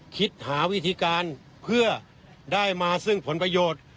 คิดหาวิธีการเพื่อได้มาซึ่งผลประโยชน์